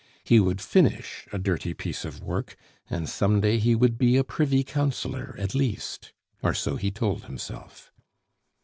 He would finish a dirty piece of work, and some day he would be a privy councillor, at least; or so he told himself.